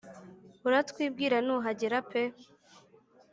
uratwibwira nuhagera.pe